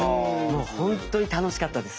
もう本当に楽しかったです。